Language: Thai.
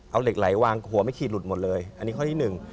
เอาเหล็กไหลวางหัวไม่ขีดหลุดหมดเลยอันนี้ข้อที่หนึ่ง